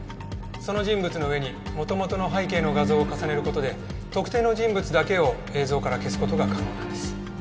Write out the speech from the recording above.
その人物の上に元々の背景の画像を重ねる事で特定の人物だけを映像から消す事が可能なんです。